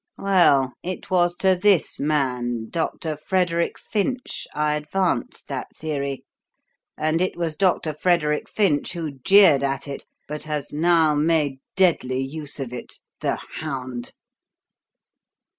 Well, it was to this man, Dr. Frederick Finch, I advanced that theory, and it was Dr. Frederick Finch who jeered at it, but has now made deadly use of it, the hound.